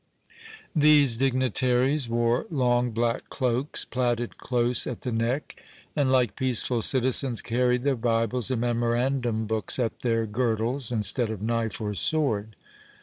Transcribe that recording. These dignitaries wore long black cloaks, plaited close at the neck, and, like peaceful citizens, carried their Bibles and memorandum books at their girdles, instead of knife or sword.